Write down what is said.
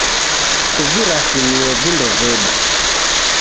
Kuvirasimie vindo vedu.